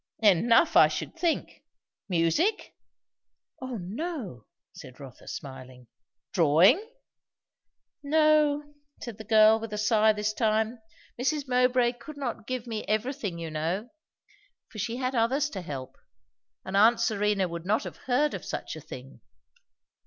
"Enough, I should think. Music?" "O no!" said Rotha smiling. "Drawing?" "No," said the girl with a sigh this time. "Mrs. Mowbray could not give me everything you know, for she has others to help. And aunt Serena would not have heard of such a thing."